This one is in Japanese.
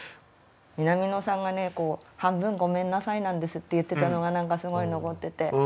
南野さんが「半分ごめんなさいなんです」って言ってたのが何かすごい残ってて。